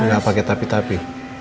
enggak pakai tapi tapi